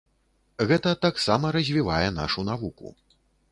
Гэта таксама развівае нашу навуку.